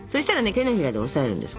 手のひらで押さえるんです。